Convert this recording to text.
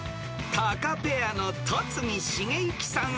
［タカペアの戸次重幸さん